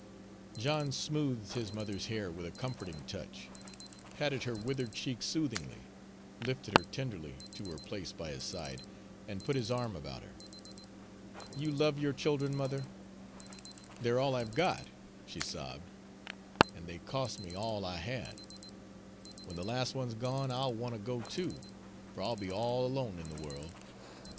John smoothed his mother's hair with a comforting touch, patted her withered cheek soothingly, lifted her tenderly to her place by his side, and put his arm about her. "You love your children, mother?" "They're all I've got," she sobbed, "an' they cos' me all I had. When the las' one's gone, I'll want to go too, for I'll be all alone in the world.